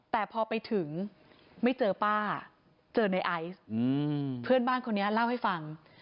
แต่พอไปถึงไม่เจอป้าเจอในไอซ์เพื่อนบ้านคนนี้เล่าให้ฟัง